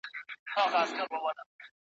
آس هم ښکلی هم د جنګ وي هم د ننګ وي ..